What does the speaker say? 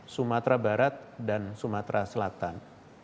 sumatera barat dan sumatera selatan